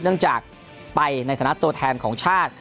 เนื่องจากไปในฐานะตัวแทนของชาติ